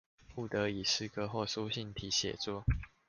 不得以詩歌或書信體寫作